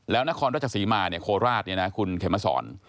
แล้วนครราชสีมาโคราชคุณเขมมะสอน